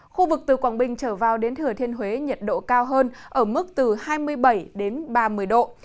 khu vực từ quảng bình trở vào đến thừa thiên huế nhiệt độ cao hơn ở mức từ hai mươi bảy đến ba mươi độ